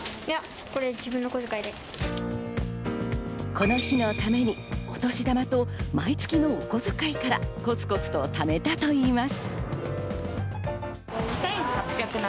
この日のためにお年玉と毎月のお小遣いからコツコツと貯めたといいます。